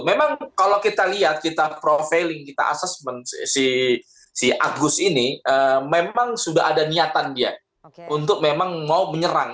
memang kalau kita lihat kita profiling kita assessment si agus ini memang sudah ada niatan dia untuk memang mau menyerang